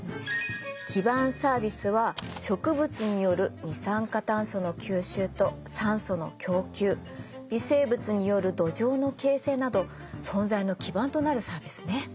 基盤サービスは植物による二酸化炭素の吸収と酸素の供給微生物による土壌の形成など存在の基盤となるサービスね。